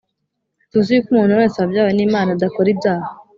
Tuzi yuko umuntu wese wabyawe n’Imana adakora ibyaha,